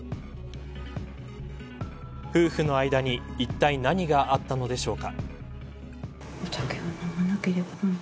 夫婦の間にいったい何があったのでしょうか。